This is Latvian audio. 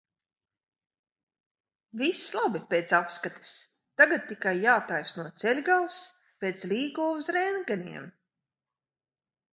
Viss labi pēc apskates, tagad tikai jātaisno ceļgals, pēc Līgo uz rentgeniem.